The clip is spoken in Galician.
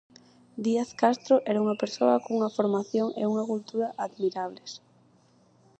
Díaz Castro era unha persoa cunha formación e unha cultura admirables.